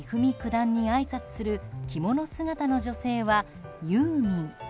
段にあいさつする着物姿の女性はユーミン。